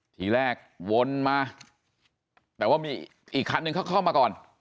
นี่หลายวนมาแต่ว่ามีอีกครั้งนึงเข้ามาก่อน